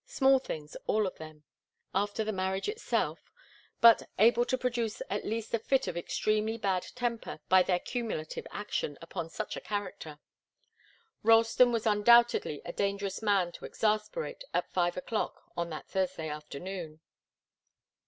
Small things, all of them, after the marriage itself, but able to produce at least a fit of extremely bad temper by their cumulative action upon such a character. Ralston was undoubtedly a dangerous man to exasperate at five o'clock on that Thursday afternoon.